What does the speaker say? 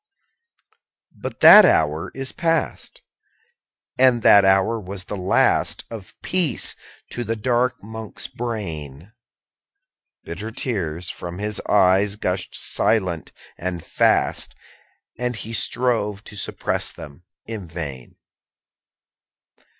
_15 3. But that hour is past; And that hour was the last Of peace to the dark Monk's brain. Bitter tears, from his eyes, gushed silent and fast; And he strove to suppress them in vain.